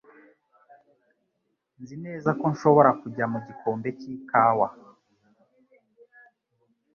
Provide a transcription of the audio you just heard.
Nzi neza ko nshobora kujya mu gikombe cy'ikawa.